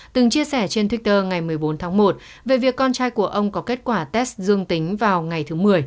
từng chia sẻ trên twitter ngày một mươi bốn tháng một về việc con trai của ông có kết quả test dương tính vào ngày thứ một mươi